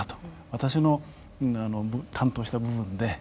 私の担当した部分で失敗して